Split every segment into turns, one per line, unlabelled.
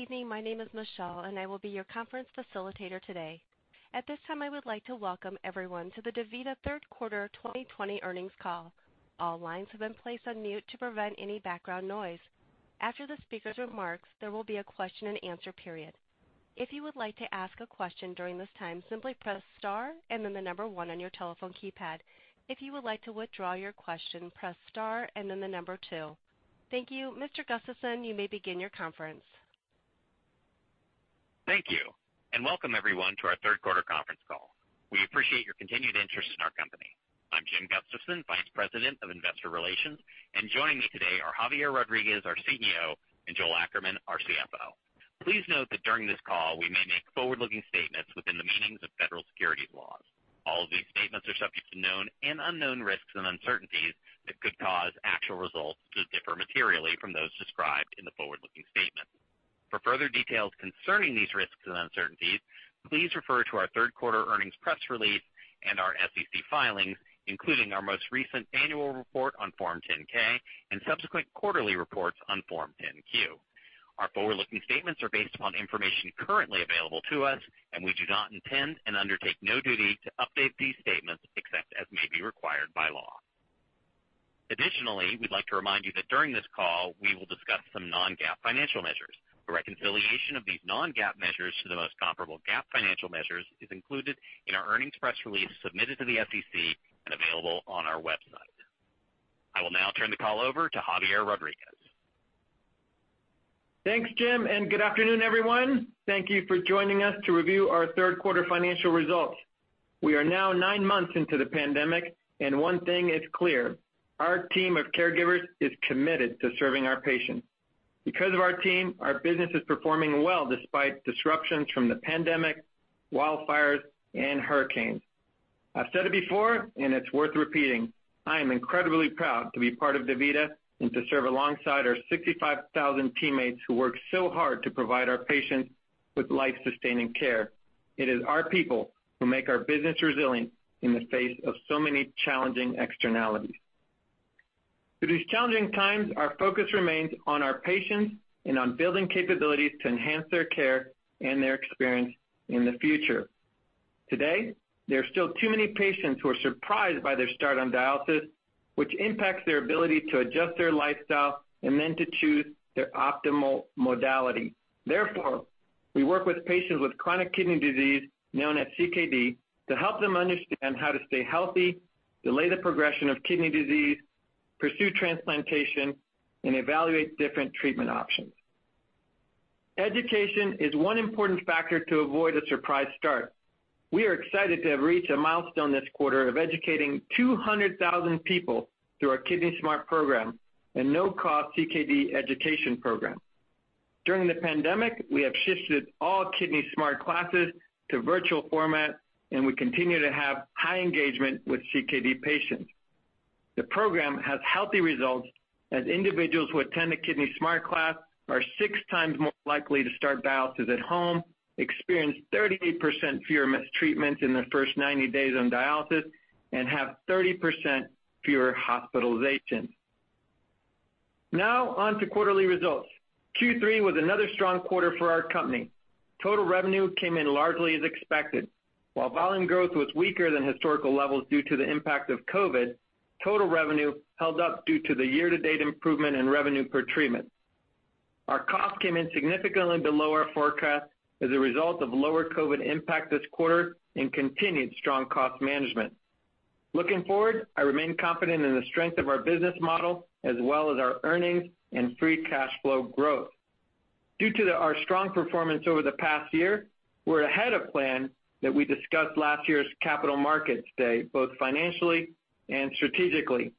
Evening. My name is Michelle, and I will be your conference facilitator today. At this time, I would like to welcome everyone to the DaVita Third Quarter 2020 Earnings Call. All lines have been placed on mute to prevent any background noise. After the speaker's remarks, there will be a question-and-answer period. If you would like to ask a question during this time, simply press star and then the number one on your telephone keypad. If you would like to withdraw your question, press star and then the number two. Thank you. Mr. Gustafson, you may begin your conference.
Thank you, welcome everyone to our third quarter conference call. We appreciate your continued interest in our company. I'm Jim Gustafson, Vice President of Investor Relations, and joining me today are Javier Rodriguez, our CEO, and Joel Ackerman, our CFO. Please note that during this call, we may make forward-looking statements within the meanings of federal securities laws. All of these statements are subject to known and unknown risks and uncertainties that could cause actual results to differ materially from those described in the forward-looking statements. For further details concerning these risks and uncertainties, please refer to our third quarter earnings press release and our SEC filings, including our most recent annual report on Form 10-K and subsequent quarterly reports on Form 10-Q. Our forward-looking statements are based upon information currently available to us, and we do not intend, and undertake no duty to update these statements except as may be required by law. Additionally, we'd like to remind you that during this call, we will discuss some non-GAAP financial measures. A reconciliation of these non-GAAP measures to the most comparable GAAP financial measures is included in our earnings press release submitted to the SEC and available on our website. I will now turn the call over to Javier Rodriguez.
Thanks, Jim, and good afternoon, everyone. Thank you for joining us to review our third quarter financial results. We are now nine months into the pandemic, and one thing is clear, our team of caregivers is committed to serving our patients. Because of our team, our business is performing well despite disruptions from the pandemic, wildfires, and hurricanes. I've said it before and it's worth repeating, I am incredibly proud to be part of DaVita and to serve alongside our 65,000 teammates who work so hard to provide our patients with life-sustaining care. It is our people who make our business resilient in the face of so many challenging externalities. Through these challenging times, our focus remains on our patients and on building capabilities to enhance their care and their experience in the future. Today, there are still too many patients who are surprised by their start on dialysis, which impacts their ability to adjust their lifestyle and then to choose their optimal modality. We work with patients with chronic kidney disease, known as CKD, to help them understand how to stay healthy, delay the progression of kidney disease, pursue transplantation, and evaluate different treatment options. Education is one important factor to avoid a surprise start. We are excited to have reached a milestone this quarter of educating 200,000 people through our Kidney Smart program, a no-cost CKD education program. During the pandemic, we have shifted all Kidney Smart classes to virtual format, and we continue to have high engagement with CKD patients. The program has healthy results, as individuals who attend a Kidney Smart class are six times more likely to start dialysis at home, experience 38% fewer missed treatments in their first 90 days on dialysis, and have 30% fewer hospitalizations. On to quarterly results. Q3 was another strong quarter for our company. Total revenue came in largely as expected. While volume growth was weaker than historical levels due to the impact of COVID, total revenue held up due to the year-to-date improvement in revenue per treatment. Our costs came in significantly below our forecast as a result of lower COVID impact this quarter and continued strong cost management. Looking forward, I remain confident in the strength of our business model as well as our earnings and free cash flow growth. Due to our strong performance over the past year, we're ahead of plan that we discussed last year's Capital Markets Day, both financially and strategically.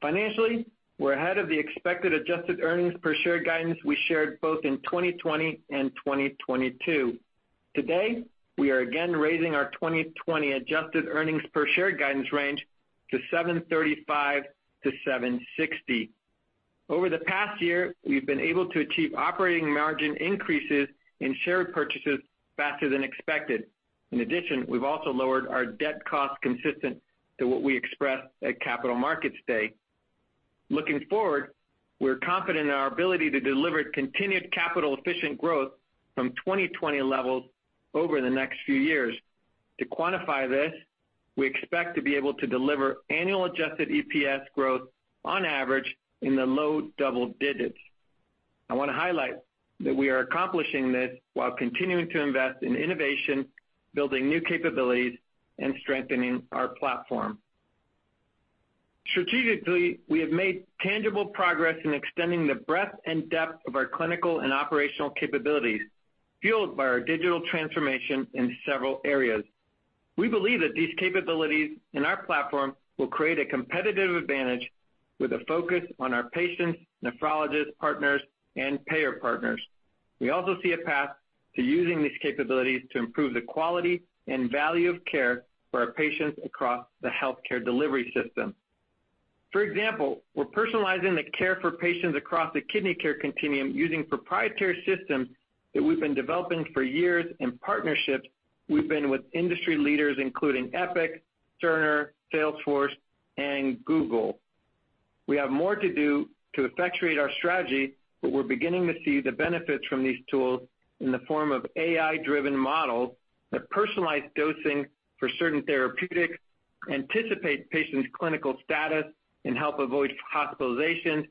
Financially, we're ahead of the expected adjusted earnings per share guidance we shared both in 2020 and 2022. Today, we are again raising our 2020 adjusted earnings per share guidance range to $7.35-$7.60. Over the past year, we've been able to achieve operating margin increases and share purchases faster than expected. In addition, we've also lowered our debt cost consistent to what we expressed at Capital Markets Day. Looking forward, we're confident in our ability to deliver continued capital-efficient growth from 2020 levels over the next few years. To quantify this, we expect to be able to deliver annual adjusted EPS growth on average in the low double digits. I want to highlight that we are accomplishing this while continuing to invest in innovation, building new capabilities, and strengthening our platform. Strategically, we have made tangible progress in extending the breadth and depth of our clinical and operational capabilities, fueled by our digital transformation in several areas. We believe that these capabilities in our platform will create a competitive advantage with a focus on our patients, nephrologist partners, and payer partners. We also see a path to using these capabilities to improve the quality and value of care for our patients across the healthcare delivery system. For example, we're personalizing the care for patients across the kidney care continuum using proprietary systems that we've been developing for years and partnerships we've been with industry leaders, including Epic, Cerner, Salesforce, and Google. We have more to do to effectuate our strategy. We're beginning to see the benefits from these tools in the form of AI-driven models that personalize dosing for certain therapeutics, anticipate patients' clinical status, and help avoid hospitalizations,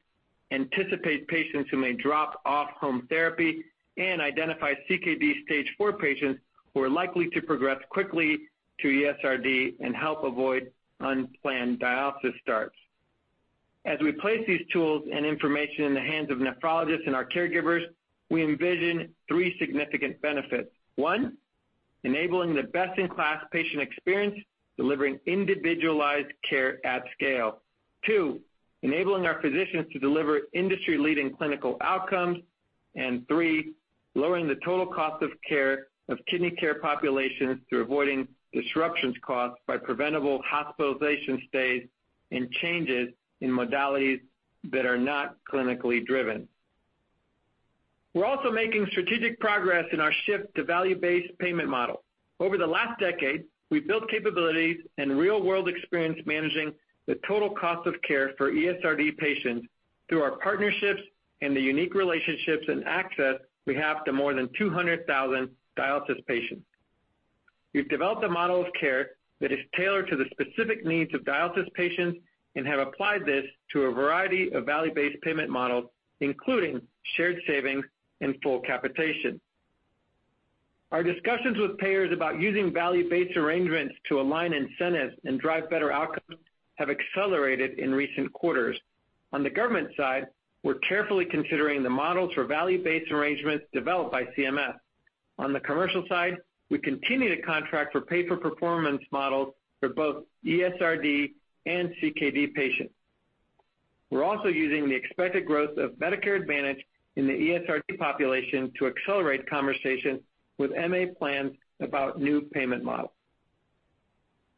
anticipate patients who may drop off home therapy, and identify CKD Stage 4 patients who are likely to progress quickly to ESRD and help avoid unplanned dialysis starts. As we place these tools and information in the hands of nephrologists and our caregivers, we envision three significant benefits. One, enabling the best-in-class patient experience, delivering individualized care at scale. Two, enabling our physicians to deliver industry-leading clinical outcomes. Three, lowering the total cost of care of kidney care populations through avoiding disruptions caused by preventable hospitalization stays and changes in modalities that are not clinically driven. We're also making strategic progress in our shift to value-based payment model. Over the last decade, we've built capabilities and real-world experience managing the total cost of care for ESRD patients through our partnerships and the unique relationships and access we have to more than 200,000 dialysis patients. We've developed a model of care that is tailored to the specific needs of dialysis patients and have applied this to a variety of value-based payment models, including shared savings and full capitation. Our discussions with payers about using value-based arrangements to align incentives and drive better outcomes have accelerated in recent quarters. On the government side, we're carefully considering the models for value-based arrangements developed by CMS. On the commercial side, we continue to contract for pay-for-performance models for both ESRD and CKD patients. We're also using the expected growth of Medicare Advantage in the ESRD population to accelerate conversations with MA plans about new payment models.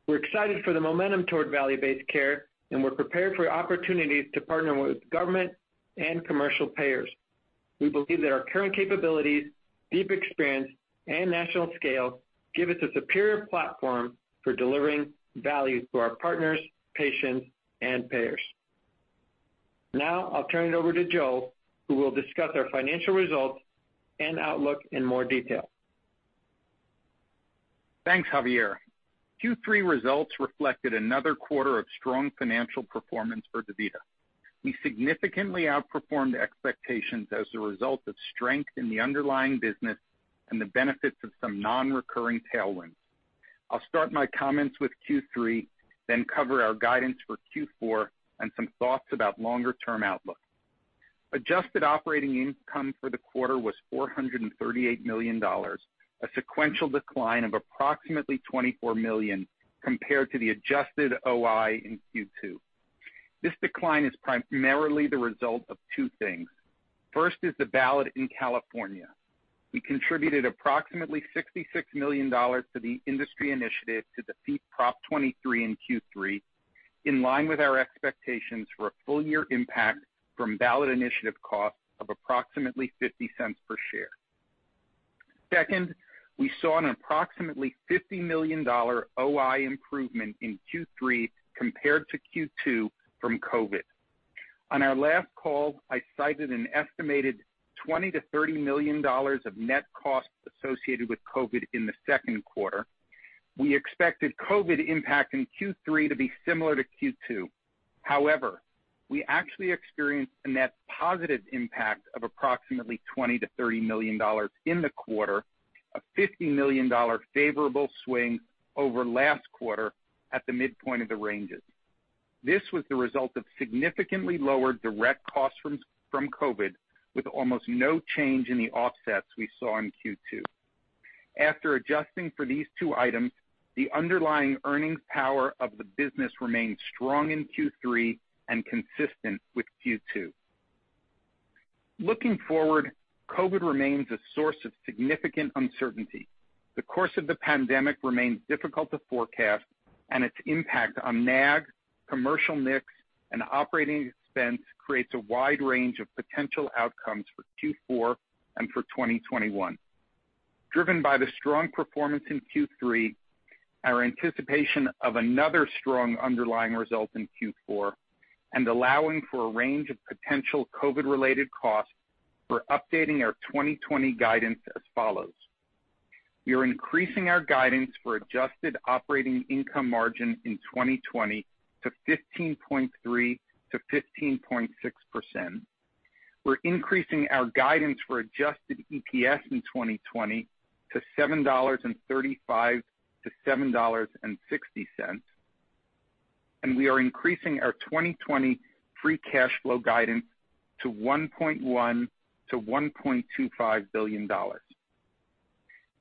We're excited for the momentum toward value-based care, and we're prepared for opportunities to partner with government and commercial payers. We believe that our current capabilities, deep experience, and national scale give us a superior platform for delivering value to our partners, patients, and payers. Now, I'll turn it over to Joel, who will discuss our financial results and outlook in more detail.
Thanks, Javier. Q3 results reflected another quarter of strong financial performance for DaVita. We significantly outperformed expectations as a result of strength in the underlying business and the benefits of some non-recurring tailwinds. I'll start my comments with Q3, cover our guidance for Q4 and some thoughts about longer-term outlook. Adjusted operating income for the quarter was $438 million, a sequential decline of approximately $24 million compared to the adjusted OI in Q2. This decline is primarily the result of two things. First is the ballot in California. We contributed approximately $66 million to the industry initiative to defeat Prop 23 in Q3, in line with our expectations for a full-year impact from ballot initiative costs of approximately $0.50 per share. Second, we saw an approximately $50 million OI improvement in Q3 compared to Q2 from COVID. On our last call, I cited an estimated $20 million-$30 million of net costs associated with COVID in the second quarter. We expected COVID impact in Q3 to be similar to Q2. We actually experienced a net positive impact of approximately $20 million-$30 million in the quarter, a $50 million favorable swing over last quarter at the midpoint of the ranges. This was the result of significantly lower direct costs from COVID, with almost no change in the offsets we saw in Q2. After adjusting for these two items, the underlying earnings power of the business remained strong in Q3 and consistent with Q2. Looking forward, COVID remains a source of significant uncertainty. The course of the pandemic remains difficult to forecast, and its impact on NAG, commercial mix, and operating expense creates a wide range of potential outcomes for Q4 and for 2021. Driven by the strong performance in Q3, our anticipation of another strong underlying result in Q4, and allowing for a range of potential COVID-related costs, we're updating our 2020 guidance as follows. We are increasing our guidance for adjusted operating income margin in 2020 to 15.3%-15.6%. We're increasing our guidance for adjusted EPS in 2020 to $7.35-$7.60. We are increasing our 2020 free cash flow guidance to $1.1 billion-$1.25 billion.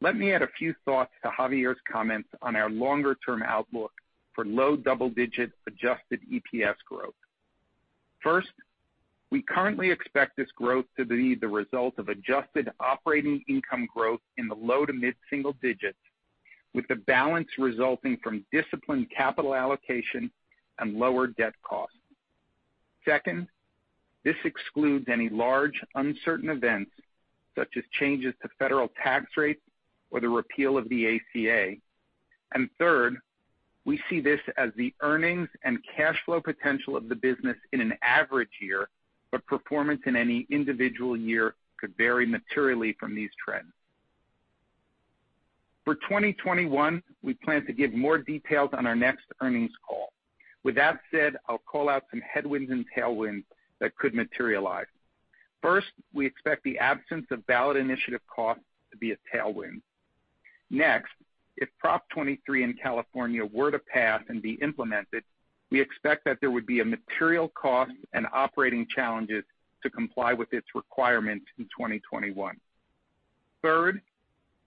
Let me add a few thoughts to Javier's comments on our longer-term outlook for low double-digit adjusted EPS growth. First, we currently expect this growth to be the result of adjusted operating income growth in the low to mid-single digits, with the balance resulting from disciplined capital allocation and lower debt costs. Second. This excludes any large uncertain events such as changes to federal tax rates or the repeal of the ACA. Third, we see this as the earnings and cash flow potential of the business in an average year, but performance in any individual year could vary materially from these trends. For 2021, we plan to give more details on our next earnings call. With that said, I'll call out some headwinds and tailwinds that could materialize. First, we expect the absence of ballot initiative costs to be a tailwind. Next, if Prop 23 in California were to pass and be implemented, we expect that there would be a material cost and operating challenges to comply with its requirements in 2021. Third,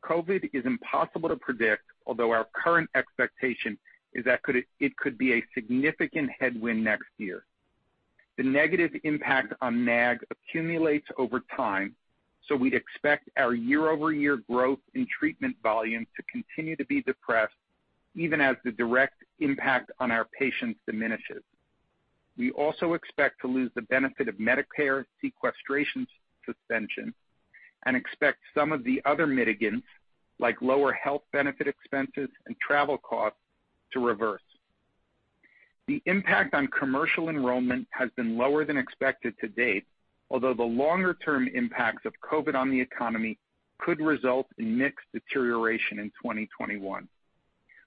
COVID is impossible to predict, although our current expectation is that it could be a significant headwind next year. The negative impact on NAG accumulates over time, so we'd expect our year-over-year growth in treatment volume to continue to be depressed, even as the direct impact on our patients diminishes. We also expect to lose the benefit of Medicare sequestration suspension and expect some of the other mitigants, like lower health benefit expenses and travel costs, to reverse. The impact on commercial enrollment has been lower than expected to date, although the longer-term impacts of COVID on the economy could result in mixed deterioration in 2021.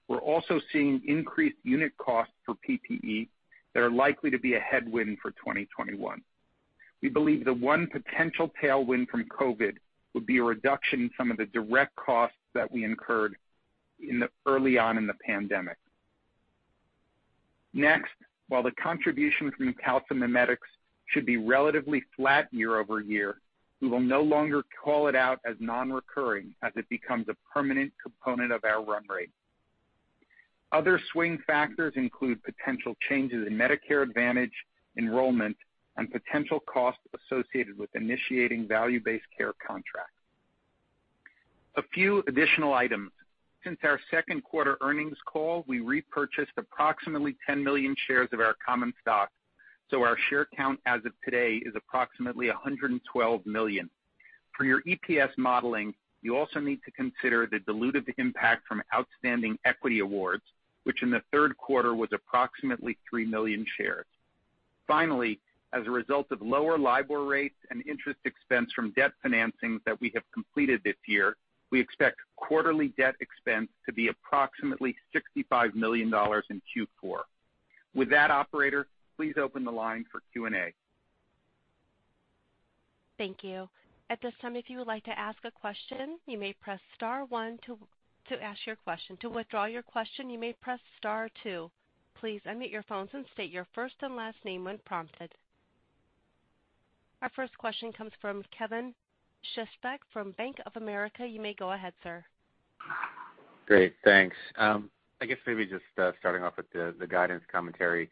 We're also seeing increased unit costs for PPE that are likely to be a headwind for 2021. We believe the one potential tailwind from COVID would be a reduction in some of the direct costs that we incurred early on in the pandemic. Next, while the contribution from calcimimetics should be relatively flat year-over-year, we will no longer call it out as non-recurring as it becomes a permanent component of our run rate. Other swing factors include potential changes in Medicare Advantage enrollment and potential costs associated with initiating value-based care contracts. A few additional items. Since our second quarter earnings call, we repurchased approximately 10 million shares of our common stock, so our share count as of today is approximately 112 million. For your EPS modeling, you also need to consider the dilutive impact from outstanding equity awards, which in the third quarter was approximately three million shares. Finally, as a result of lower LIBOR rates and interest expense from debt financings that we have completed this year, we expect quarterly debt expense to be approximately $65 million in Q4. With that, operator, please open the line for Q&A.
Thank you. At this time, if you would like to ask a question, you may press star one to ask your question. To withdraw your question, you may press star two. Please unmute your phone and state your first and last name when prompted. Our first question comes from Kevin Fischbeck from Bank of America. You may go ahead, sir.
Great, thanks. I guess maybe just starting off with the guidance commentary.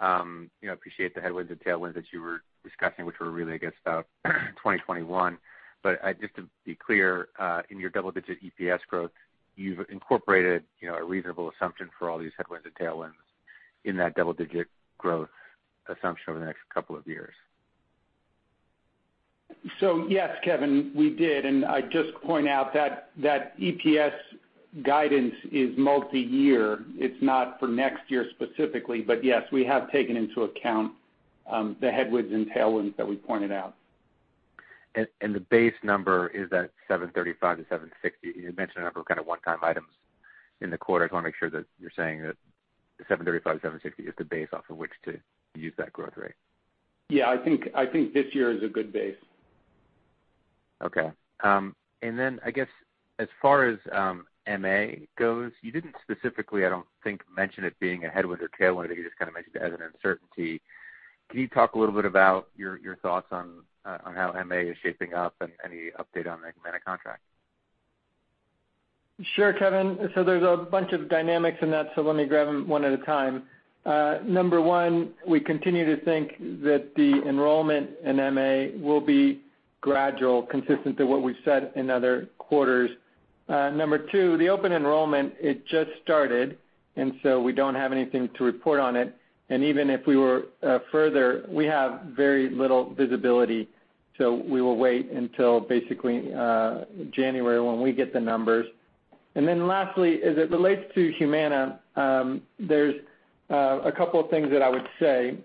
Appreciate the headwinds and tailwinds that you were discussing, which were really, I guess, about 2021. Just to be clear, in your double-digit EPS growth, you've incorporated a reasonable assumption for all these headwinds and tailwinds in that double-digit growth assumption over the next couple of years.
Yes, Kevin, we did. I'd just point out that EPS guidance is multi-year. It's not for next year specifically. Yes, we have taken into account the headwinds and tailwinds that we pointed out.
The base number is at $7.35-$7.60. You mentioned a number of one-time items in the quarter. I just want to make sure that you're saying that the $7.35-$7.60 is the base off of which to use that growth rate.
Yeah, I think this year is a good base.
Okay. I guess as far as MA goes, you didn't specifically, I don't think, mention it being a headwind or tailwind. You just kind of mentioned it as an uncertainty. Can you talk a little bit about your thoughts on how MA is shaping up and any update on the Humana contract?
Sure, Kevin. There's a bunch of dynamics in that, so let me grab them one at a time. Number one, we continue to think that the enrollment in MA will be gradual, consistent to what we've said in other quarters. Number two, the open enrollment, it just started, we don't have anything to report on it. Even if we were further, we have very little visibility, so we will wait until basically January when we get the numbers. Lastly, as it relates to Humana, there's a couple of things that I would say.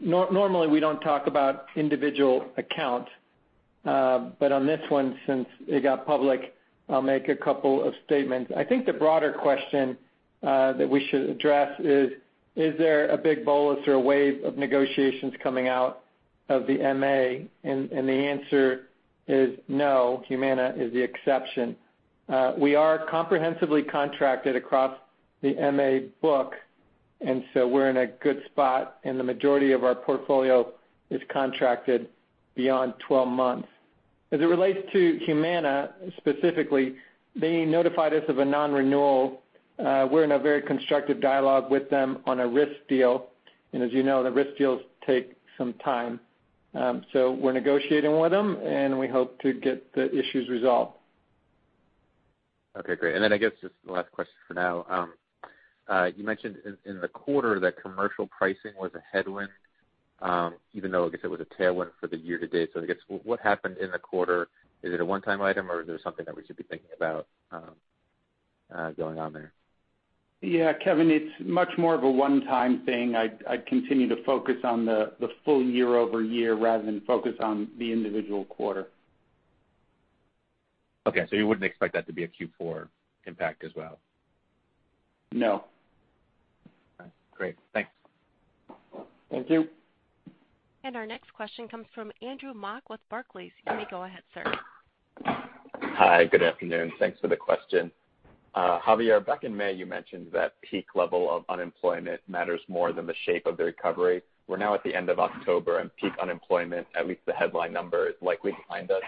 Normally, we don't talk about individual accounts. On this one, since it got public, I'll make a couple of statements. I think the broader question that we should address is there a big bolus or a wave of negotiations coming out of the MA? The answer is no. Humana is the exception. We are comprehensively contracted across the MA book, and so we're in a good spot, and the majority of our portfolio is contracted beyond 12 months. As it relates to Humana specifically, they notified us of a non-renewal. We're in a very constructive dialogue with them on a risk deal, and as you know, the risk deals take some time. We're negotiating with them, and we hope to get the issues resolved
Okay, great. I guess just the last question for now. You mentioned in the quarter that commercial pricing was a headwind, even though, I guess it was a tailwind for the year to date. I guess what happened in the quarter? Is it a one-time item or is there something that we should be thinking about going on there?
Yeah, Kevin, it's much more of a one-time thing. I'd continue to focus on the full year-over-year rather than focus on the individual quarter.
Okay, you wouldn't expect that to be a Q4 impact as well?
No.
All right, great. Thanks.
Thank you.
Our next question comes from Andrew Mok with Barclays. You may go ahead, sir.
Hi, good afternoon. Thanks for the question. Javier, back in May, you mentioned that peak level of unemployment matters more than the shape of the recovery. We're now at the end of October, and peak unemployment, at least the headline number, is likely behind us.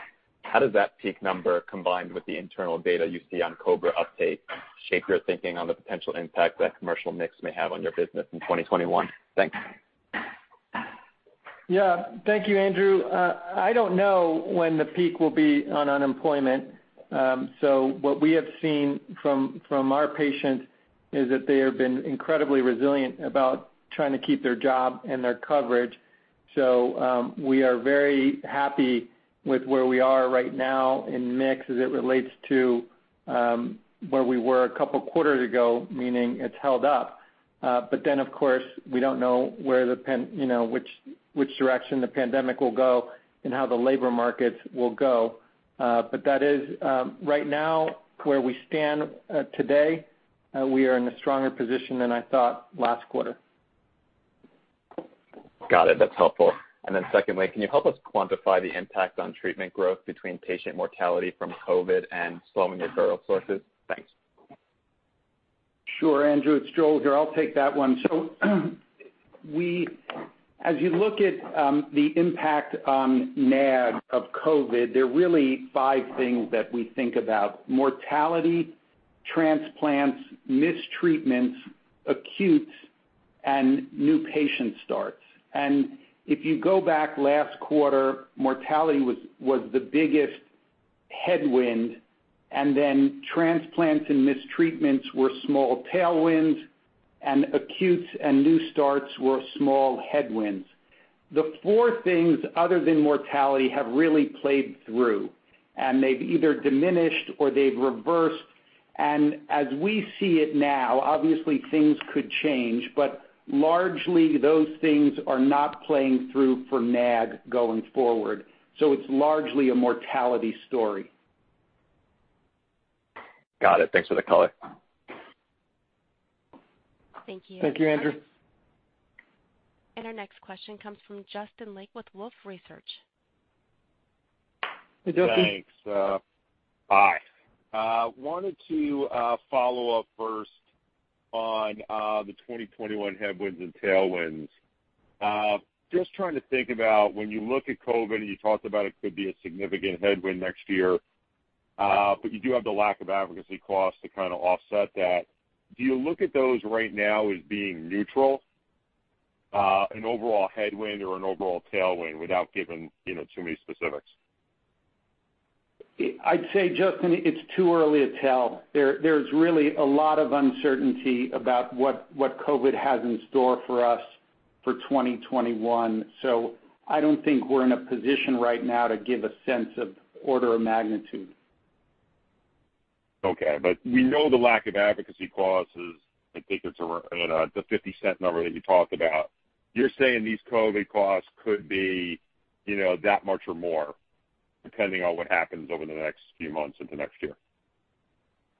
How does that peak number combined with the internal data you see on COBRA uptake shape your thinking on the potential impact that commercial mix may have on your business in 2021? Thanks.
Thank you, Andrew. I don't know when the peak will be on unemployment. What we have seen from our patients is that they have been incredibly resilient about trying to keep their job and their coverage. We are very happy with where we are right now in mix as it relates to where we were a couple of quarters ago, meaning it's held up. Of course, we don't know which direction the pandemic will go and how the labor markets will go. That is right now where we stand today. We are in a stronger position than I thought last quarter.
Got it. That's helpful. Secondly, can you help us quantify the impact on treatment growth between patient mortality from COVID and slowing referral sources? Thanks.
Sure, Andrew. It's Joel here. I'll take that one. As you look at the impact on NAG of COVID, there are really five things that we think about. Mortality, transplants, missed treatments, acutes, and new patient starts. If you go back last quarter, mortality was the biggest headwind, then transplants and missed treatments were small tailwinds, and acutes and new starts were small headwinds. The four things other than mortality have really played through, and they've either diminished or they've reversed. As we see it now, obviously things could change, but largely those things are not playing through for NAG going forward. It's largely a mortality story.
Got it. Thanks for the color.
Thank you.
Thank you, Andrew.
Our next question comes from Justin Lake with Wolfe Research.
Hey, Justin.
Thanks. Hi. I wanted to follow up first on the 2021 headwinds and tailwinds. Just trying to think about when you look at COVID, and you talked about it could be a significant headwind next year, but you do have the lack of advocacy costs to kind of offset that. Do you look at those right now as being neutral, an overall headwind or an overall tailwind without giving too many specifics?
I'd say, Justin, it's too early to tell. There's really a lot of uncertainty about what COVID has in store for us for 2021. I don't think we're in a position right now to give a sense of order of magnitude.
We know the lack of advocacy costs, I think it's the $0.50 number that you talked about. You're saying these COVID costs could be that much or more, depending on what happens over the next few months into next year.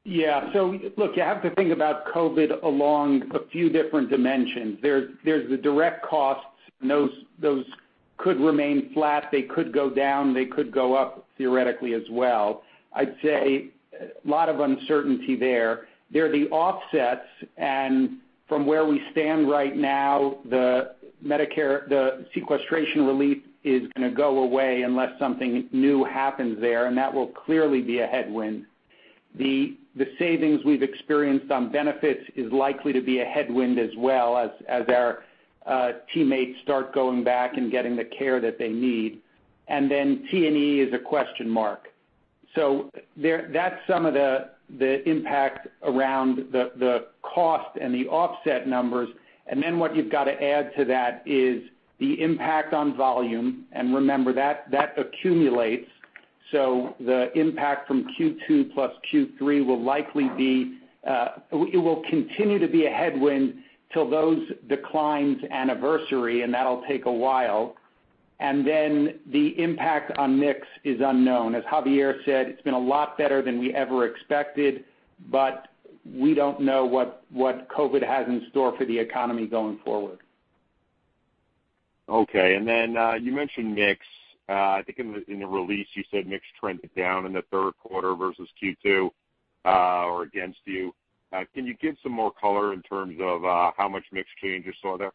Look, you have to think about COVID along a few different dimensions. There's the direct costs, those could remain flat, they could go down, they could go up theoretically as well. I'd say a lot of uncertainty there. They're the offsets, from where we stand right now, the sequestration relief is going to go away unless something new happens there, that will clearly be a headwind. The savings we've experienced on benefits is likely to be a headwind as well as our teammates start going back and getting the care that they need. T&E is a question mark. That's some of the impact around the cost and the offset numbers. What you've got to add to that is the impact on volume. Remember, that accumulates. The impact from Q2 plus Q3 will continue to be a headwind till those declines anniversary, and that'll take a while. The impact on mix is unknown. As Javier said, it's been a lot better than we ever expected, but we don't know what COVID has in store for the economy going forward.
Okay, you mentioned mix. I think in the release you said mix trended down in the third quarter versus Q2 or against you. Can you give some more color in terms of how much mix change you saw there?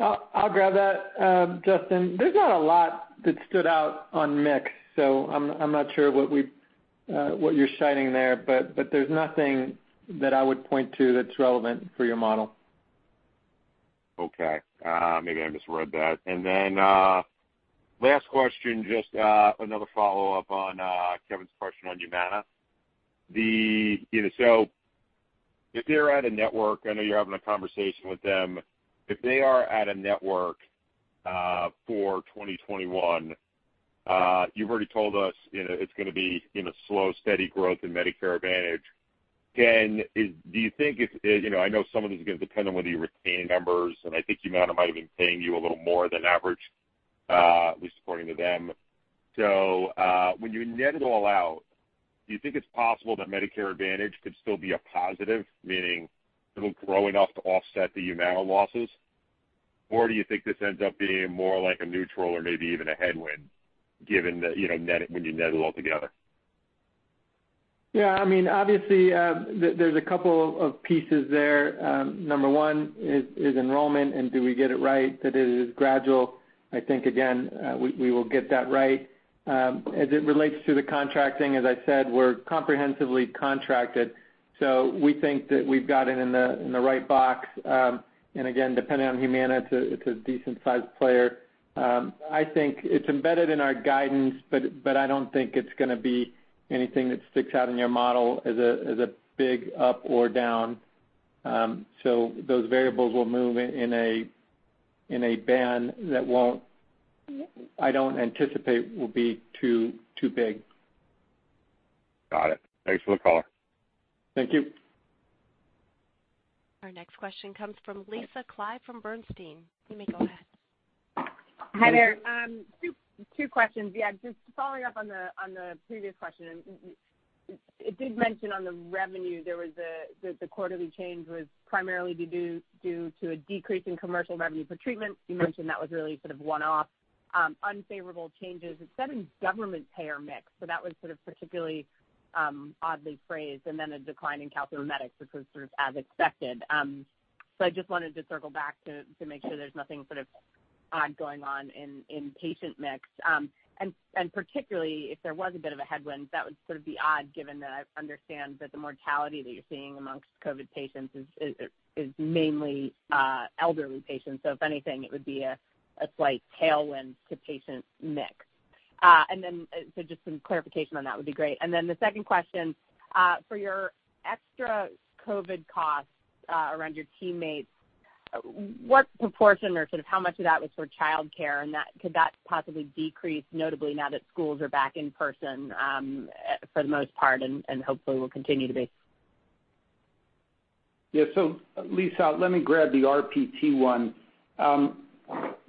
I'll grab that, Justin. There's not a lot that stood out on mix, so I'm not sure what you're citing there, but there's nothing that I would point to that's relevant for your model.
Okay. Maybe I misread that. Then last question, just another follow-up on Kevin's question on Humana. If they're at a network, I know you're having a conversation with them. If they are at a network for 2021, you've already told us it's going to be slow, steady growth in Medicare Advantage. Do you think it's, I know some of this is going to depend on whether you're retaining members, and I think Humana might have been paying you a little more than average, at least according to them. When you net it all out, do you think it's possible that Medicare Advantage could still be a positive, meaning it'll grow enough to offset the Humana losses? Do you think this ends up being more like a neutral or maybe even a headwind, given that when you net it all together?
Yeah. Obviously, there's a couple of pieces there. Number 1 is enrollment and do we get it right, that it is gradual. I think, again, we will get that right. As it relates to the contracting, as I said, we're comprehensively contracted, we think that we've got it in the right box. Again, depending on Humana, it's a decent-sized player. I think it's embedded in our guidance, I don't think it's going to be anything that sticks out in your model as a big up or down. Those variables will move in a band that I don't anticipate will be too big.
Got it. Thanks for the call.
Thank you.
Our next question comes from Lisa Clive from Bernstein. You may go ahead.
Hi there. Two questions. Yeah, just following up on the previous question, it did mention on the revenue there was the quarterly change was primarily due to a decrease in commercial revenue for treatment. You mentioned that was really sort of one-off unfavorable changes. It said in government payer mix, so that was sort of particularly oddly phrased, and then a decline in calcimimetic, which was sort of as expected. I just wanted to circle back to make sure there's nothing sort of odd going on in patient mix. Particularly, if there was a bit of a headwind, that would sort of be odd given that I understand that the mortality that you're seeing amongst COVID patients is mainly elderly patients. If anything, it would be a slight tailwind to patient mix. Just some clarification on that would be great. The second question, for your extra COVID costs around your teammates, what proportion or sort of how much of that was for childcare and could that possibly decrease notably now that schools are back in person for the most part and hopefully will continue to be?
Yeah. Lisa, let me grab the RPT one.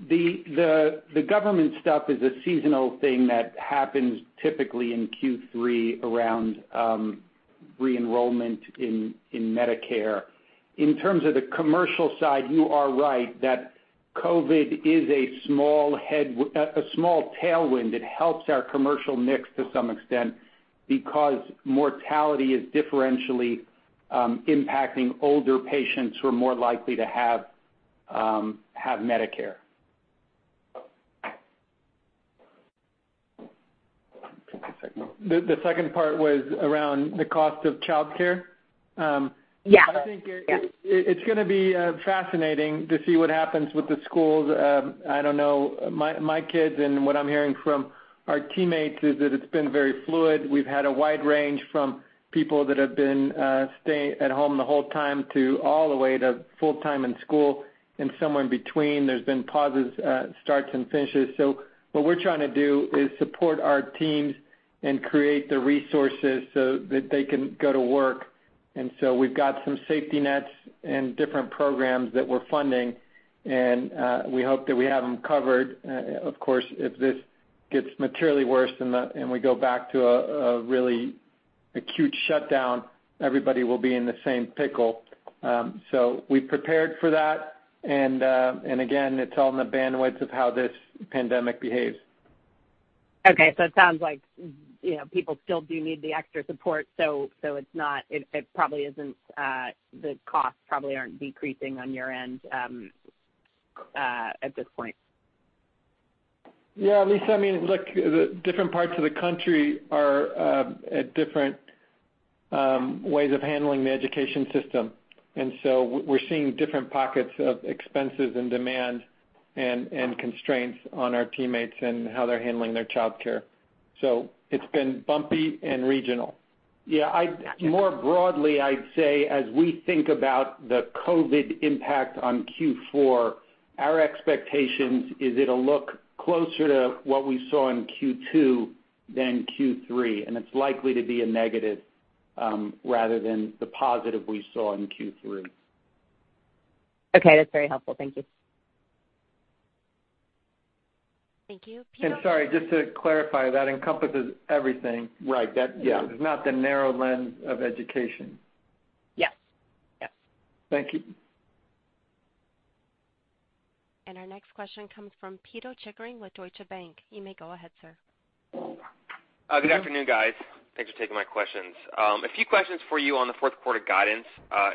The government stuff is a seasonal thing that happens typically in Q3 around re-enrollment in Medicare. In terms of the commercial side, you are right that COVID is a small tailwind. It helps our commercial mix to some extent because mortality is differentially impacting older patients who are more likely to have Medicare.
The second part was around the cost of childcare.
Yeah.
I think it's going to be fascinating to see what happens with the schools. I don't know, my kids and what I'm hearing from our teammates is that it's been very fluid. We've had a wide range from people that have been staying at home the whole time to all the way to full-time in school and somewhere in between. There's been pauses, starts, and finishes. What we're trying to do is support our teams and create the resources so that they can go to work. We've got some safety nets and different programs that we're funding, and we hope that we have them covered. Of course, if this gets materially worse and we go back to a really acute shutdown, everybody will be in the same pickle. We've prepared for that. Again, it's all in the bandwidth of how this pandemic behaves.
Okay, it sounds like people still do need the extra support. The costs probably aren't decreasing on your end at this point.
Lisa, look, the different parts of the country are at different ways of handling the education system. We're seeing different pockets of expenses and demand and constraints on our teammates and how they're handling their childcare. It's been bumpy and regional.
Yeah. More broadly, I'd say as we think about the COVID impact on Q4, our expectations is it'll look closer to what we saw in Q2 than Q3, and it's likely to be a negative rather than the positive we saw in Q3.
Okay, that's very helpful. Thank you.
Thank you.
Sorry, just to clarify, that encompasses everything.
Right. Yeah.
It's not the narrow lens of education.
Yes.
Thank you.
Our next question comes from Pito Chickering with Deutsche Bank. You may go ahead, sir.
Good afternoon, guys. Thanks for taking my questions. A few questions for you on the fourth quarter guidance.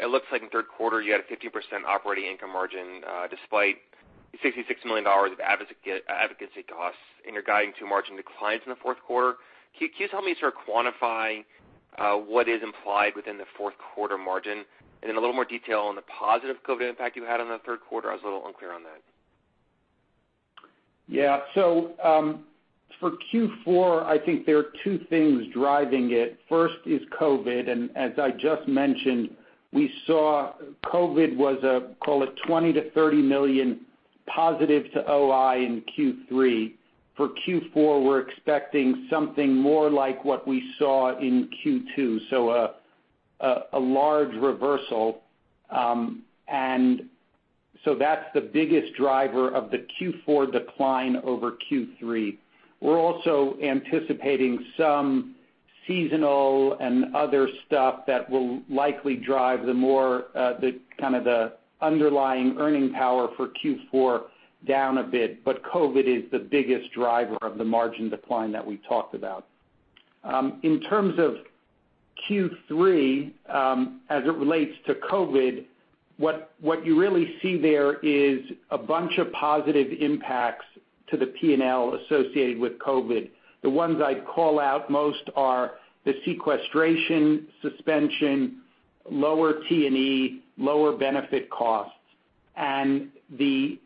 It looks like in third quarter, you had a 15% operating income margin despite $66 million of advocacy costs, and you're guiding to margin declines in the fourth quarter. Can you tell me, sort of quantify what is implied within the fourth quarter margin? A little more detail on the positive COVID impact you had on the third quarter, I was a little unclear on that.
For Q4, I think there are two things driving it. First is COVID. As I just mentioned, we saw COVID was a, call it $20 million-$30 million positive to OI in Q3. For Q4, we're expecting something more like what we saw in Q2. A large reversal. That's the biggest driver of the Q4 decline over Q3. We're also anticipating some seasonal and other stuff that will likely drive the underlying earning power for Q4 down a bit. COVID is the biggest driver of the margin decline that we talked about. In terms of Q3, as it relates to COVID, what you really see there is a bunch of positive impacts to the P&L associated with COVID. The ones I'd call out most are the sequestration, suspension, lower T&E, lower benefit costs, and the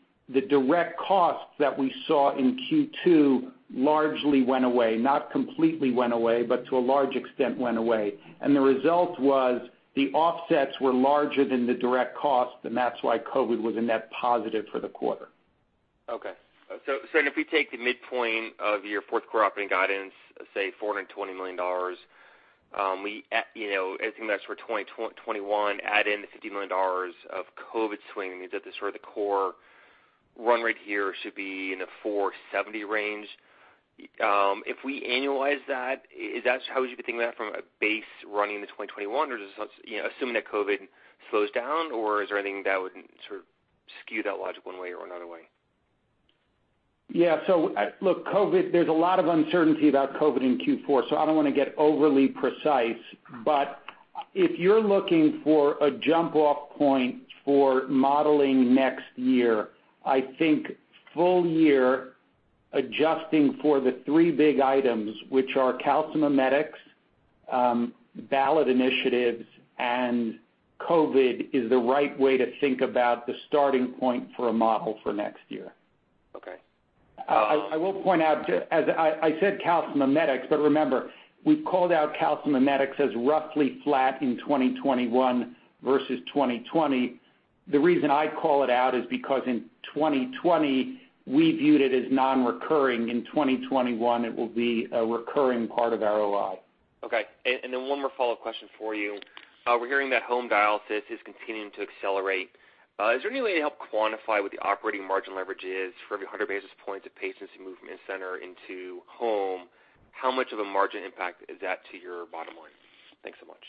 direct costs that we saw in Q2 largely went away. Not completely went away, but to a large extent went away. The result was the offsets were larger than the direct costs, and that's why COVID was a net positive for the quarter.
Okay. If we take the midpoint of your fourth quarter operating guidance, say $420 million, assuming that's for 2021, add in the $50 million of COVID swing, sort of the core run rate here should be in the 470 range. If we annualize that, is that how would you be thinking about it from a base running into 2021, assuming that COVID slows down, or is there anything that would sort of skew that logic one way or another way?
Yeah. Look, there's a lot of uncertainty about COVID in Q4, so I don't want to get overly precise. If you're looking for a jump-off point for modeling next year, I think full year adjusting for the three big items, which are calcimimetics, ballot initiatives, and COVID, is the right way to think about the starting point for a model for next year.
Okay.
I will point out, I said calcimimetics, but remember, we've called out calcimimetics as roughly flat in 2021 versus 2020. The reason I call it out is because in 2020, we viewed it as non-recurring. In 2021, it will be a recurring part of our OI.
Okay. One more follow-up question for you. We're hearing that home dialysis is continuing to accelerate. Is there any way to help quantify what the operating margin leverage is for every 100 basis points of patients who move from in-center into home? How much of a margin impact is that to your bottom line? Thanks so much.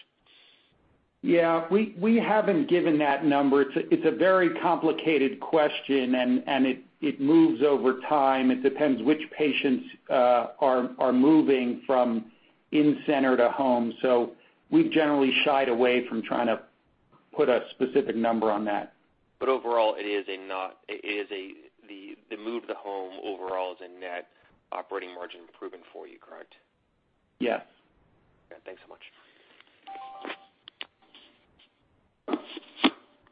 Yeah. We haven't given that number. It's a very complicated question, and it moves over time. It depends which patients are moving from in-center to home, so we've generally shied away from trying to put a specific number on that.
Overall, the move to home overall is a net operating margin improvement for you, correct?
Yes.
Okay, thanks so much.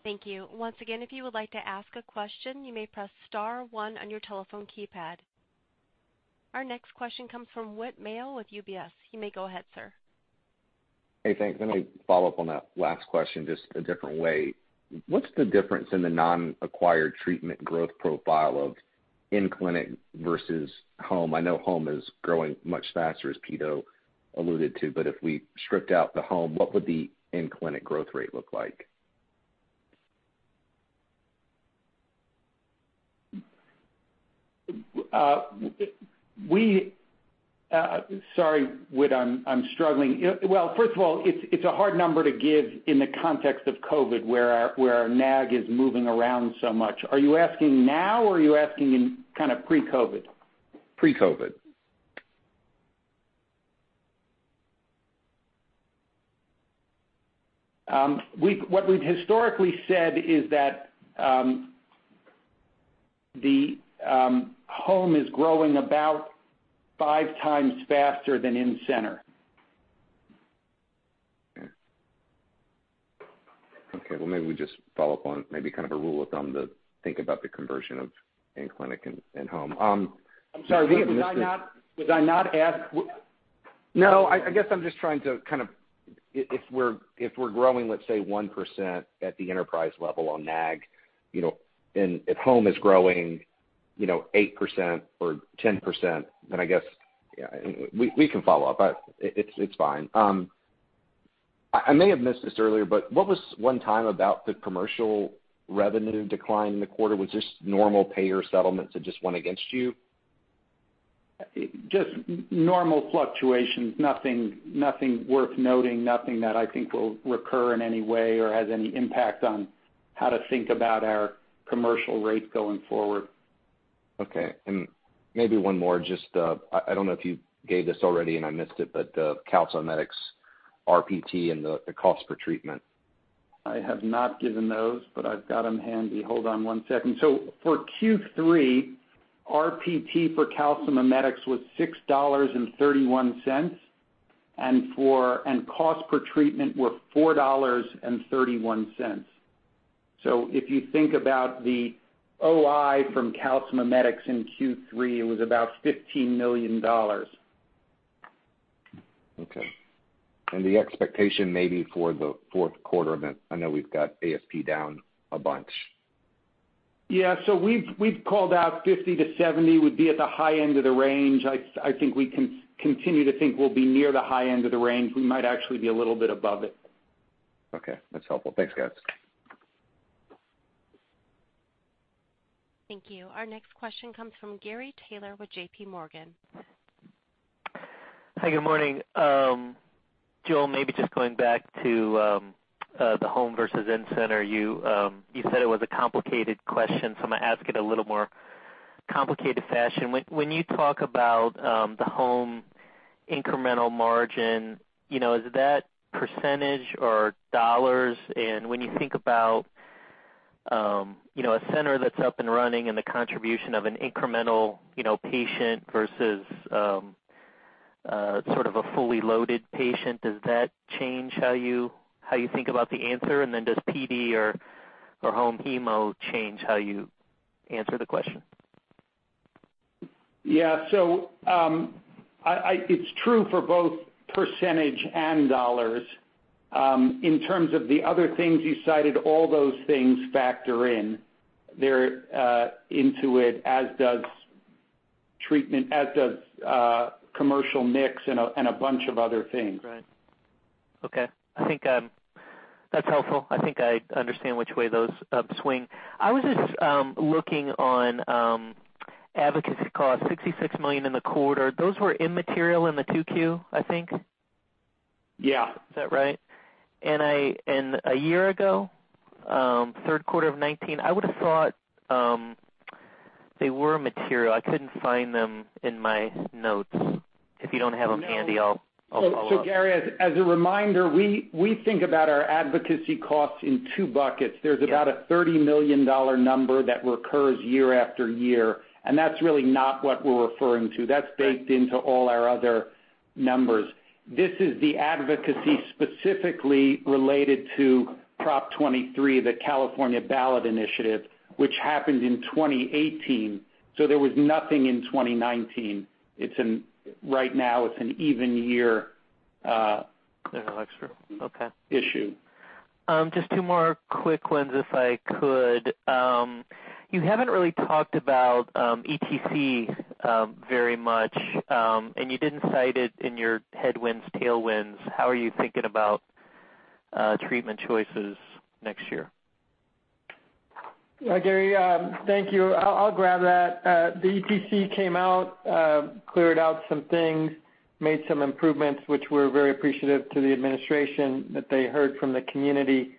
Thank you. Once again, if you would like to ask a question, you may press star one on your telephone keypad. Our next question comes from Whit Mayo with UBS. You may go ahead, sir.
Hey, thanks. Let me follow up on that last question, just a different way. What's the difference in the Non-Acquired Treatment Growth profile of in-clinic versus home? I know home is growing much faster, as Pito alluded to, but if we stripped out the home, what would the in-clinic growth rate look like?
Sorry, Whit, I'm struggling. Well, first of all, it's a hard number to give in the context of COVID, where our NAG is moving around so much. Are you asking now or are you asking in kind of pre-COVID?
Pre-COVID.
What we've historically said is that the home is growing about 5x faster than in-center.
Well, maybe we just follow up on maybe kind of a rule of thumb to think about the conversion of in-clinic and home.
I'm sorry, Whit, was I not?
No, I guess I'm just trying to, if we're growing, let's say 1% at the enterprise level on NAG, and if home is growing 8% or 10%, then I guess we can follow up. It's fine. I may have missed this earlier, but what was one time about the commercial revenue decline in the quarter was just normal payer settlements that just went against you?
Just normal fluctuations. Nothing worth noting, nothing that I think will recur in any way or has any impact on how to think about our commercial rates going forward.
Okay. Maybe one more, I don't know if you gave this already and I missed it, but the calcimimetics RPT and the cost per treatment.
I have not given those, but I've got them handy. Hold on one second. For Q3, RPT for calcimimetics was $6.31, and cost per treatment were $4.31. If you think about the OI from calcimimetics in Q3, it was about $15 million.
Okay. The expectation maybe for the fourth quarter, I know we've got ASP down a bunch.
Yeah. We've called out 50-70 would be at the high end of the range. I think we can continue to think we'll be near the high end of the range. We might actually be a little bit above it.
Okay. That's helpful. Thanks, guys.
Thank you. Our next question comes from Gary Taylor with J.P. Morgan.
Hi, good morning. Joel, maybe just going back to the home versus in-center. You said it was a complicated question, so I'm going to ask it a little more complicated fashion. When you talk about the home incremental margin, is that percentage or dollars? When you think about a center that's up and running and the contribution of an incremental patient versus sort of a fully loaded patient, does that change how you think about the answer? Does PD or home hemo change how you answer the question?
Yeah. It's true for both percentage and dollars. In terms of the other things you cited, all those things factor in there into it, as does commercial mix and a bunch of other things.
Right. Okay. I think that's helpful. I think I understand which way those swing. I was just looking on advocacy cost, $66 million in the quarter. Those were immaterial in the 2Q, I think.
Yeah.
Is that right? A year ago, third quarter of 2019, I would've thought they were material. I couldn't find them in my notes. If you don't have them handy, I'll follow up.
Gary, as a reminder, we think about our advocacy costs in two buckets. There's about a $30 million number that recurs year after year, and that's really not what we're referring to. That's baked into all our other numbers. This is the advocacy specifically related to Prop 23, the California ballot initiative, which happened in 2018. There was nothing in 2019. Right now, it's an even year.
Okay
issue.
Just two more quick ones if I could. You haven't really talked about ETC very much, and you didn't cite it in your headwinds, tailwinds. How are you thinking about treatment choices next year?
Gary, thank you. I'll grab that. The ETC came out, cleared out some things, made some improvements, which we're very appreciative to the administration that they heard from the community.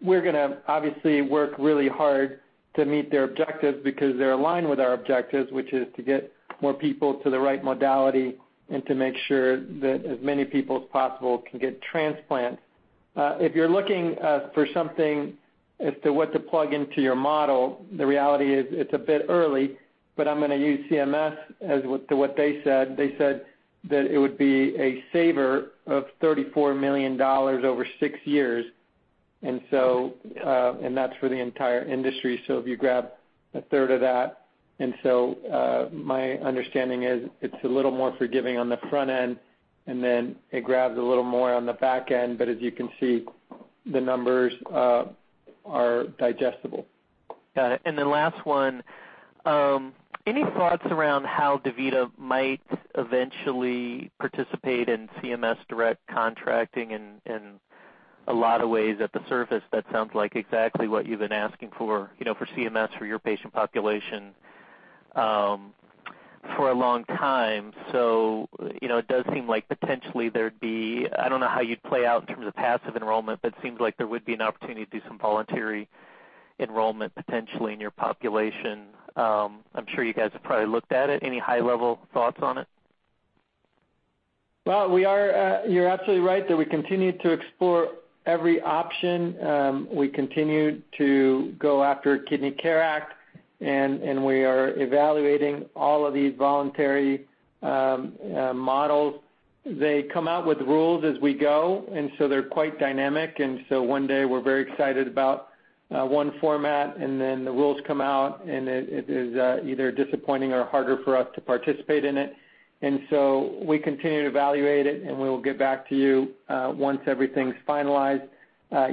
We're going to obviously work really hard to meet their objectives because they're aligned with our objectives, which is to get more people to the right modality and to make sure that as many people as possible can get transplants. If you're looking for something as to what to plug into your model, the reality is it's a bit early, but I'm going to use CMS as to what they said. They said that it would be a saver of $34 million over six years, and that's for the entire industry. If you grab a third of that. My understanding is it's a little more forgiving on the front end, and then it grabs a little more on the back end. As you can see, the numbers are digestible.
Got it. Last one. Any thoughts around how DaVita might eventually participate in CMS Direct Contracting? A lot of ways at the surface that sounds like exactly what you've been asking for CMS, for your patient population for a long time. It does seem like potentially I don't know how you'd play out in terms of passive enrollment, but it seems like there would be an opportunity to do some voluntary enrollment potentially in your population. I'm sure you guys have probably looked at it. Any high-level thoughts on it?
Well, you're absolutely right that we continue to explore every option. We continue to go after Kidney Care Act, and we are evaluating all of these voluntary models. They come out with rules as we go, and so they're quite dynamic. One day we're very excited about one format, and then the rules come out and it is either disappointing or harder for us to participate in it. We continue to evaluate it, and we will get back to you once everything's finalized.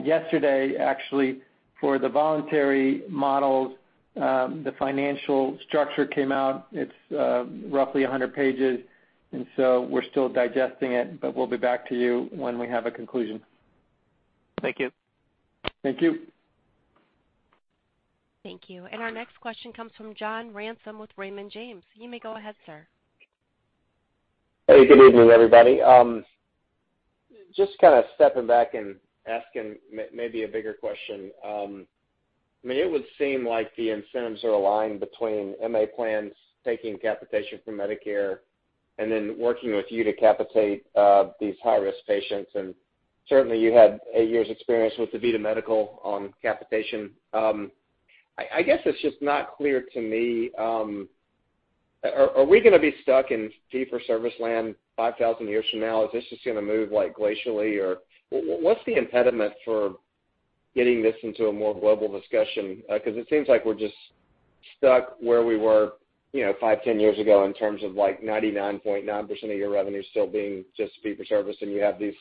Yesterday, actually, for the voluntary models, the financial structure came out. It's roughly 100 pages, and so we're still digesting it, but we'll be back to you when we have a conclusion.
Thank you.
Thank you.
Thank you. Our next question comes from John Ransom with Raymond James. You may go ahead, sir.
Hey, good evening, everybody. Just kind of stepping back and asking maybe a bigger question. It would seem like the incentives are aligned between MA plans taking capitation from Medicare and then working with you to capitate these high-risk patients. Certainly, you had eight years experience with DaVita Medical on capitation. I guess it's just not clear to me, are we going to be stuck in fee-for-service land 5,000 years from now? Is this just going to move glacially? What's the impediment for getting this into a more global discussion? It seems like we're just stuck where we were five, 10 years ago in terms of 99.9% of your revenue still being just fee-for-service, and you have these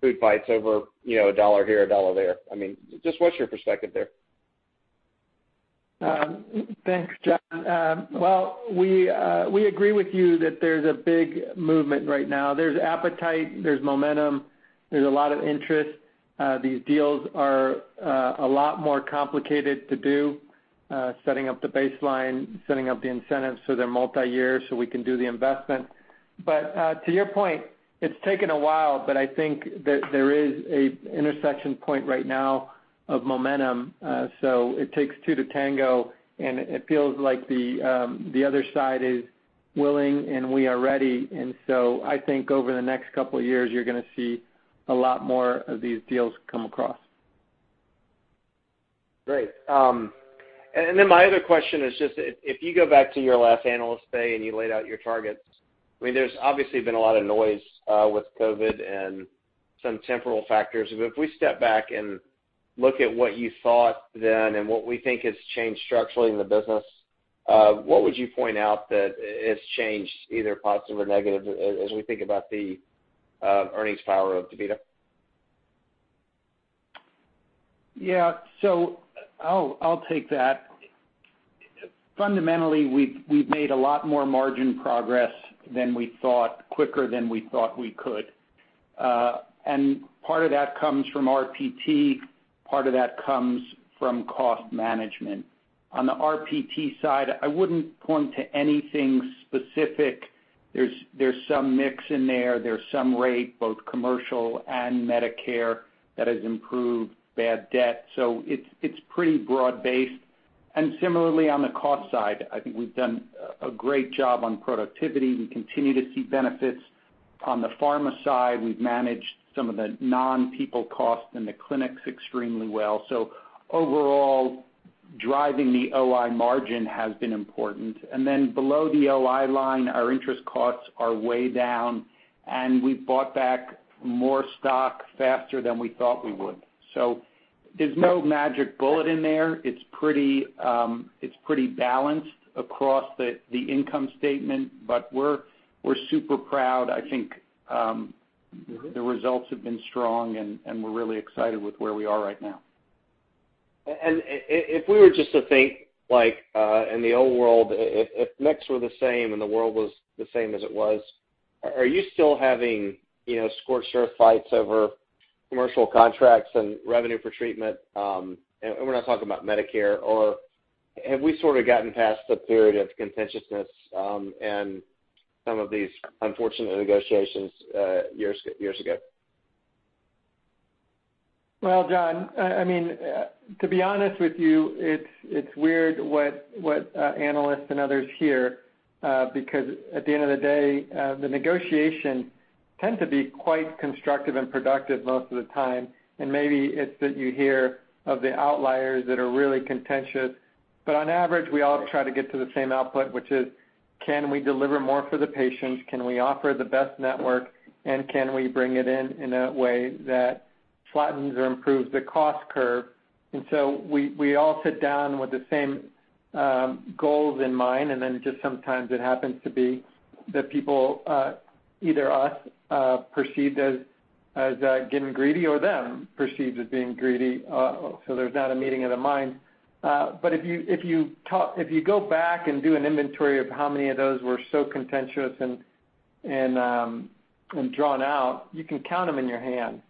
food fights over a dollar here, a dollar there. Just what's your perspective there?
Thanks, John. Well, we agree with you that there's a big movement right now. There's appetite, there's momentum, there's a lot of interest. These deals are a lot more complicated to do, setting up the baseline, setting up the incentives so they're multi-year so we can do the investment. To your point, it's taken a while, but I think that there is an intersection point right now of momentum. It takes two to tango, and it feels like the other side is willing, and we are ready. I think over the next couple of years, you're going to see a lot more of these deals come across.
Great. My other question is just, if you go back to your last Analyst Day and you laid out your targets, there's obviously been a lot of noise with COVID and some temporal factors. If we step back and look at what you thought then and what we think has changed structurally in the business, what would you point out that has changed, either positive or negative, as we think about the earnings power of DaVita?
Yeah. I'll take that. Fundamentally, we've made a lot more margin progress than we thought, quicker than we thought we could. Part of that comes from RPT, part of that comes from cost management. On the RPT side, I wouldn't point to anything specific. There's some mix in there's some rate, both commercial and Medicare, that has improved bad debt. It's pretty broad-based. Similarly, on the cost side, I think we've done a great job on productivity. We continue to see benefits. On the pharma side, we've managed some of the non-people costs in the clinics extremely well. Overall, driving the OI margin has been important. Then below the OI line, our interest costs are way down, and we've bought back more stock faster than we thought we would. There's no magic bullet in there. It's pretty balanced across the income statement, but we're super proud. I think the results have been strong, and we're really excited with where we are right now.
If we were just to think, in the old world, if mix were the same and the world was the same as it was, are you still having scorched earth fights over commercial contracts and revenue for treatment? We're not talking about Medicare, or have we sort of gotten past the period of contentiousness and some of these unfortunate negotiations years ago?
Well, John, to be honest with you, it's weird what analysts and others hear, because at the end of the day, the negotiation tends to be quite constructive and productive most of the time. Maybe it's that you hear of the outliers that are really contentious. On average, we all try to get to the same output, which is, can we deliver more for the patients? Can we offer the best network, and can we bring it in in a way that flattens or improves the cost curve? We all sit down with the same goals in mind, and then just sometimes it happens to be that people, either us, are perceived as getting greedy, or them perceived as being greedy, so there's not a meeting of the minds. If you go back and do an inventory of how many of those were so contentious and drawn out, you can count them in your hand.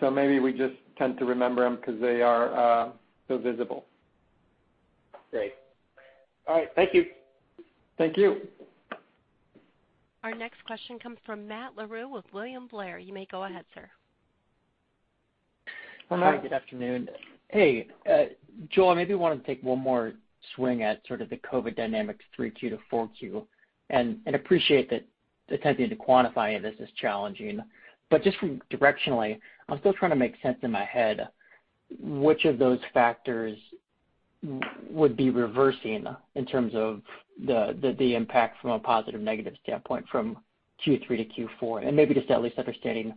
Maybe we just tend to remember them because they are so visible.
Great. All right. Thank you.
Thank you.
Our next question comes from Matt Larew with William Blair. You may go ahead, sir.
Good afternoon. Hey, Joel, maybe want to take one more swing at sort of the COVID dynamics Q3 to Q4, and appreciate that attempting to quantify this is challenging. Just from directionally, I'm still trying to make sense in my head which of those factors would be reversing in terms of the impact from a positive, negative standpoint from Q3 to Q4, and maybe just at least understanding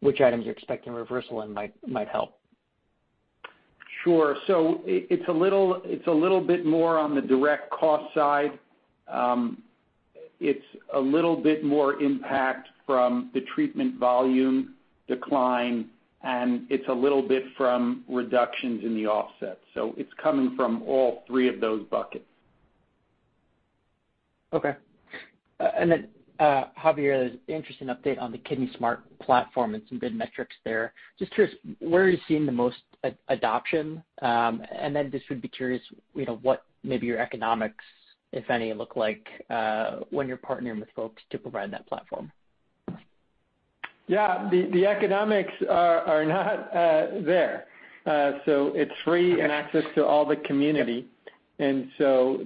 which items you're expecting reversal in might help?
Sure. It's a little bit more on the direct cost side. It's a little bit more impact from the treatment volume decline, and it's a little bit from reductions in the offset. It's coming from all three of those buckets.
Okay. Javier, there's an interesting update on the Kidney Smart platform and some good metrics there. Just curious, where are you seeing the most adoption? Just would be curious, what maybe your economics, if any, look like when you're partnering with folks to provide that platform?
The economics are not there. It's free and access to all the community, and so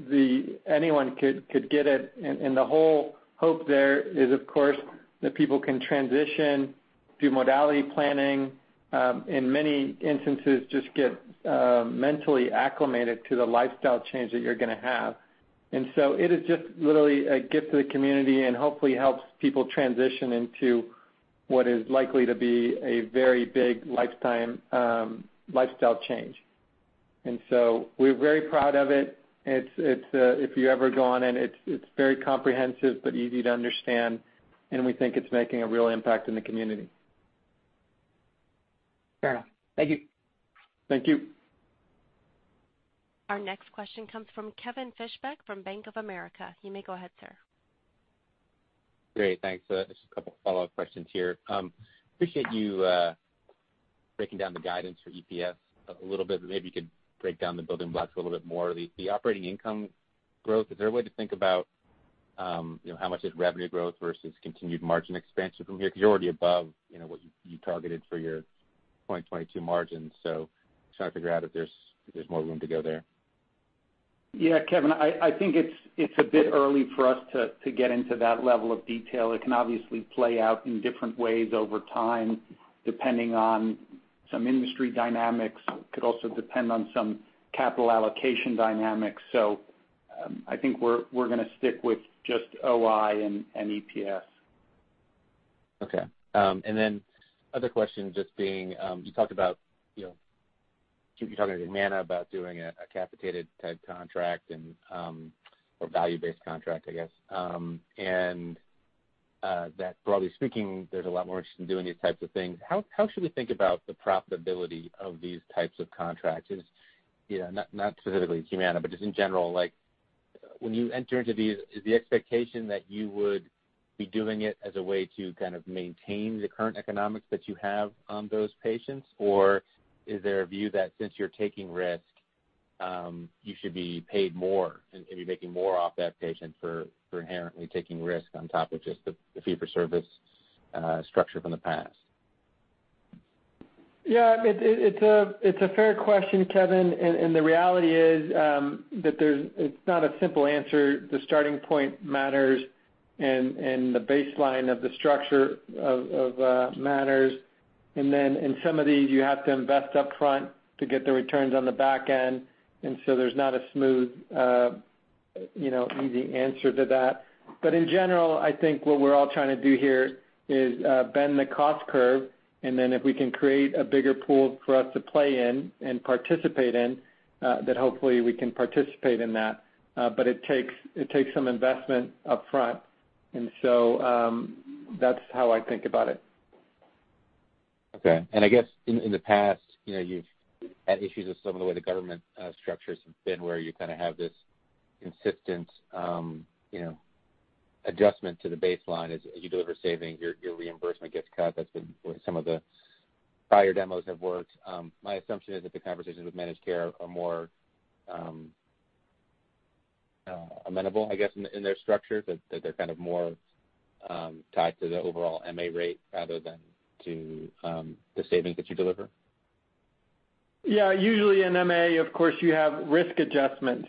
anyone could get it. The whole hope there is, of course, that people can transition, do modality planning, in many instances, just get mentally acclimated to the lifestyle change that you're going to have. It is just literally a gift to the community, and hopefully helps people transition into what is likely to be a very big lifetime lifestyle change. We're very proud of it. If you ever go on it's very comprehensive but easy to understand, and we think it's making a real impact in the community.
Fair enough. Thank you.
Thank you.
Our next question comes from Kevin Fischbeck from Bank of America. You may go ahead, sir.
Great. Thanks. Just a couple follow-up questions here. Appreciate you breaking down the guidance for EPS a little bit, but maybe you could break down the building blocks a little bit more. The Operating Income growth, is there a way to think about how much is revenue growth versus continued margin expansion from here? You're already above what you targeted for your 2022 margins. Trying to figure out if there's more room to go there.
Yeah, Kevin, I think it's a bit early for us to get into that level of detail. It can obviously play out in different ways over time, depending on some industry dynamics. Could also depend on some capital allocation dynamics. I think we're going to stick with just OI and EPS.
Okay. Other question just being, you talked about Humana about doing a capitated type contract or value-based contract, I guess. Broadly speaking, there's a lot more interest in doing these types of things. How should we think about the profitability of these types of contracts? Not specifically Humana, but just in general. When you enter into these, is the expectation that you would be doing it as a way to kind of maintain the current economics that you have on those patients? Or is there a view that since you're taking risk, you should be paid more and be making more off that patient for inherently taking risk on top of just the fee-for-service structure from the past?
It's a fair question, Kevin, the reality is that it's not a simple answer. The starting point matters, the baseline of the structure matters. In some of these, you have to invest upfront to get the returns on the back end. There's not a smooth, easy answer to that. In general, I think what we're all trying to do here is bend the cost curve, if we can create a bigger pool for us to play in and participate in, that hopefully we can participate in that. It takes some investment upfront, that's how I think about it.
Okay. I guess in the past, you've had issues with some of the way the government structures have been, where you kind of have this insistent adjustment to the baseline. As you deliver savings, your reimbursement gets cut. That's the way some of the prior demos have worked. My assumption is that the conversations with managed care are more amenable, I guess, in their structure, that they're kind of more tied to the overall MA rate rather than to the savings that you deliver.
Yeah. Usually in MA, of course, you have risk adjustment,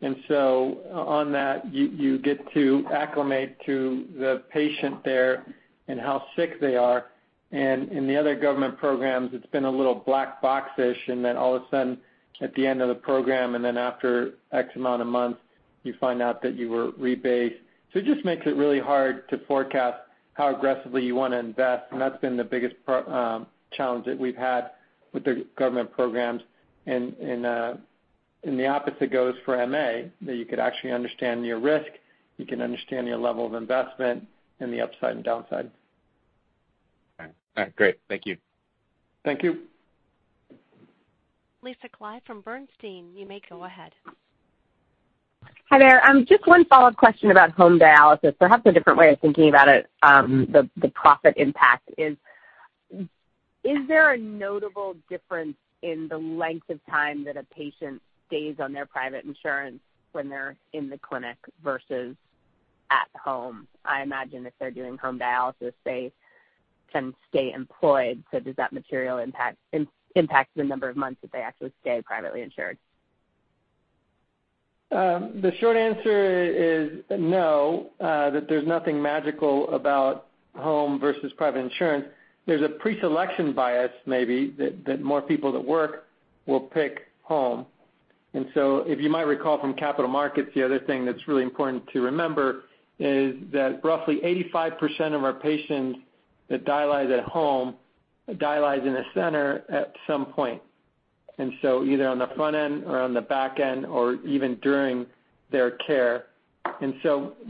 and so on that, you get to acclimate to the patient there and how sick they are. In the other government programs, it's been a little black box-ish, and then all of a sudden at the end of the program and then after X amount of months, you find out that you were rebased. It just makes it really hard to forecast how aggressively you want to invest, and that's been the biggest challenge that we've had with the government programs. The opposite goes for MA, that you could actually understand your risk, you can understand your level of investment and the upside and downside.
All right. Great. Thank you.
Thank you.
Lisa Clive from Bernstein, you may go ahead.
Hi there. Just one follow-up question about home dialysis, perhaps a different way of thinking about it, the profit impact is. Is there a notable difference in the length of time that a patient stays on their private insurance when they're in the clinic versus at home? I imagine if they're doing home dialysis, they can stay employed. Does that material impact the number of months that they actually stay privately insured?
The short answer is no, that there's nothing magical about home versus private insurance. There's a pre-selection bias, maybe, that more people that work will pick home. If you might recall from capital markets, the other thing that's really important to remember is that roughly 85% of our patients that dialyze at home dialyze in a center at some point, and so either on the front end or on the back end or even during their care.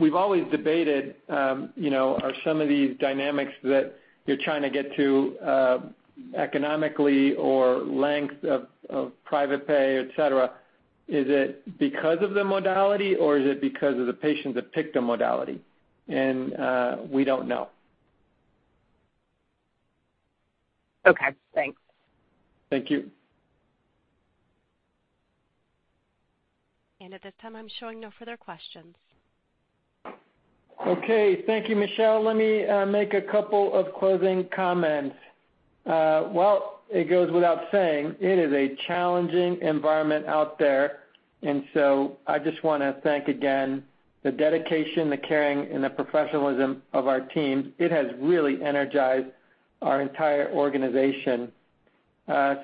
We've always debated, are some of these dynamics that you're trying to get to economically or length of private pay, et cetera, is it because of the modality or is it because of the patients that picked the modality? We don't know.
Okay. Thanks.
Thank you.
At this time, I'm showing no further questions.
Okay. Thank you, Michelle. Let me make a couple of closing comments. While it goes without saying, it is a challenging environment out there, I just want to thank again the dedication, the caring, and the professionalism of our teams.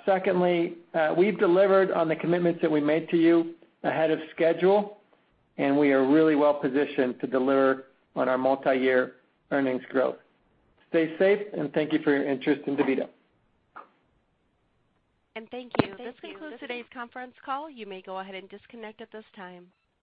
Secondly, we've delivered on the commitments that we made to you ahead of schedule, and we are really well-positioned to deliver on our multi-year earnings growth. Stay safe, and thank you for your interest in DaVita.
Thank you. This concludes today's conference call. You may go ahead and disconnect at this time.